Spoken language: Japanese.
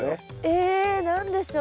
え何でしょう？